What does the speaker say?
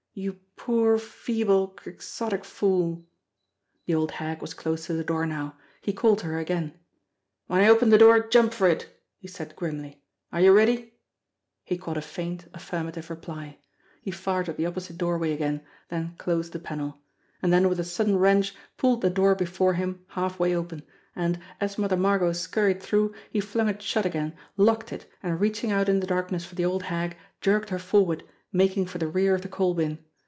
You poor, feeble, quixotic fool!" The old hag was close to the door now. He called to her again. "When I open the door, jump for it!" he said grimly. "Are you ready?" He caught a faint, affirmative reply. He fired at the oppo site doorway again, then closed the panel; and then with a sudden wrench pulled the door before him halfway open; and, as Mother Margot scurried through, he flung it shut again, locked it, and reaching out in the darkness for the old hag, jerked her forward, making for the rear of the coal bin.